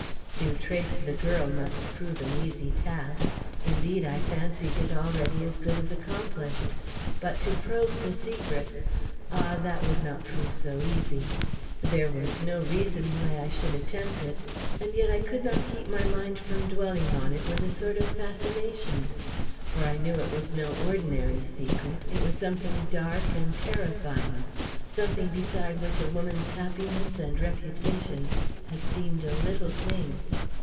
To trace the girl must prove an easy task indeed, I fancied it already as good as accomplished. But to probe the secret ah, that would not prove so easy! There was no reason why I should attempt it, and yet I could not keep my mind from dwelling on it with a sort of fascination. For I knew it was no ordinary secret it was something dark and terrifying something beside which a woman's happiness and reputation had seemed a little thing.